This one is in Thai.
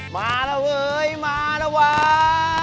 มาละเวยมาละว่า